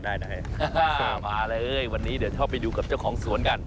มาเลยวันนี้เดี๋ยวชอบไปดูกับเจ้าของสวนกัน